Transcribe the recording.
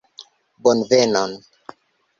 bonvenon